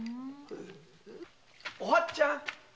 お初ちゃん